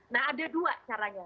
nah ada dua caranya